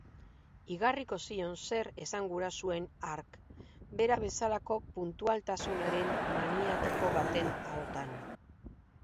Igarriko zion zer esan gura zuen hark bera bezalako puntualtasunaren maniatiko baten ahotan.